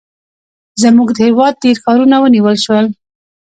زموږ د هېواد ډېر ښارونه ونیول شول.